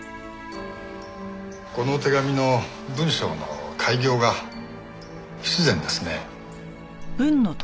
この手紙の文章の改行が不自然ですね。